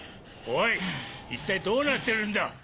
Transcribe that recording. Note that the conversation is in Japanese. おい一体どうなってるんだ？